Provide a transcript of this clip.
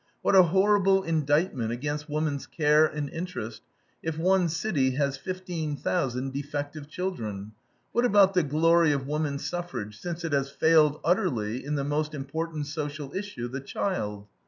What a horrible indictment against woman's care and interest, if one city has fifteen thousand defective children. What about the glory of woman suffrage, since it has failed utterly in the most important social issue, the child?